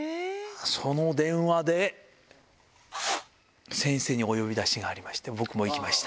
その電話で、先生にお呼び出しがありまして、僕も行きました。